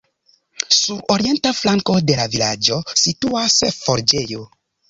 Sur orienta flanko de la vilaĝo situas forĝejo.